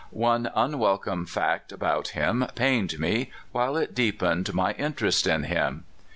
One unwelcome fact about him pained me, while it deepened my inter est in him.